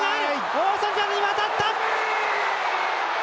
大外に渡った！